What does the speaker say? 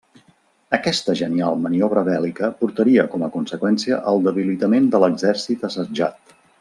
Aquesta genial maniobra bèl·lica portaria com a conseqüència el debilitament de l'exèrcit assetjat.